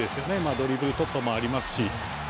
ドリブル突破もありますし。